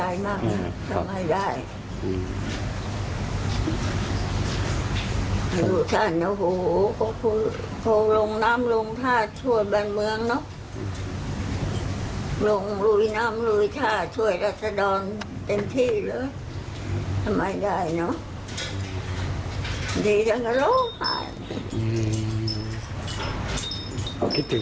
เยอะใจมากนะทำให้ได้